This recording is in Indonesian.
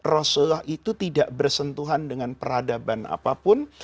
rasulullah itu tidak bersentuhan dengan peradaban apapun